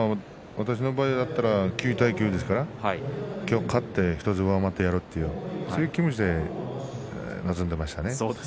私の場合だったら９対９ですから１つでも上回ってやろうというそういう気持ちで臨んでいましたね。